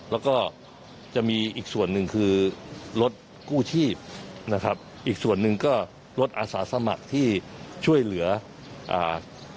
แล้วก็จะมีอีกส่วนหนึ่งคือรถกู้ชีพนะครับอีกส่วนหนึ่งก็รถอาสาสมัครที่ช่วยเหลืออ่า